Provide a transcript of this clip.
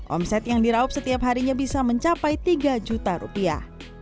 omset yang diraup setiap harinya bisa mencapai tiga juta rupiah